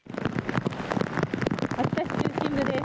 秋田市中心部です。